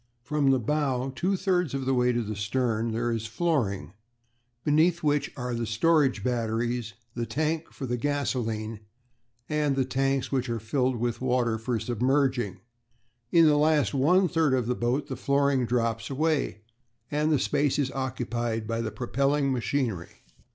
"From the bow two thirds of the way to the stern there is a flooring, beneath which are the storage batteries, the tank for the gasolene, and the tanks which are filled with water for submerging; in the last one third of the boat the flooring drops away, and the space is occupied by the propelling machinery.